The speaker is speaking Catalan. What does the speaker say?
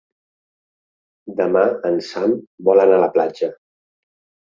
Demà en Sam vol anar a la platja.